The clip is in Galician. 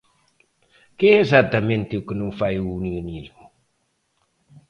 Que é exactamente o que non fai o unionismo.